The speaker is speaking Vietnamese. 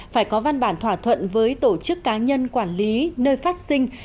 phải có văn bản thỏa thuận với tổ chức cá nhân quản lý nơi phát sinh